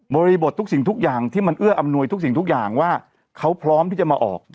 บริบททุกสิ่งทุกอย่างที่มันเอื้ออำนวยทุกสิ่งทุกอย่างว่าเขาพร้อมที่จะมาออก